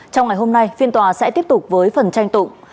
trong ngày hôm nay phiên tòa sẽ tiếp tục với phần tranh tụng